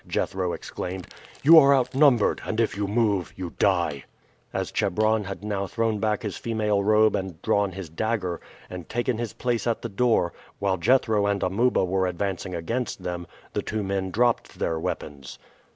Jethro exclaimed. "You are outnumbered; and if you move, you die!" As Chebron had now thrown back his female robe and drawn his dagger, and taken his place at the door, while Jethro and Amuba were advancing against them, the two men dropped their weapons.